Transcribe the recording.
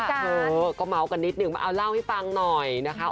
เธอก็เมาส์กันนิดนึงว่าเอาเล่าให้ฟังหน่อยนะคะ